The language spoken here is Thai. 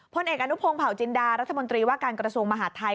พลเอกอนุพงศ์เผาจินดารัฐมนตรีว่าการกระทรวงมหาดไทย